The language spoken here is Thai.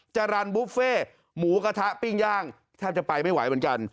จรรย์บุฟเฟ่หมูกระทะปิ้งย่างแทบจะไปไม่ไหวเหมือนกัน